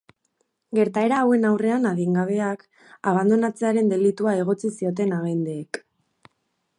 Gertaera hauen aurrean adingabeak abandonatzearen delitua egotzi zioten agenteek.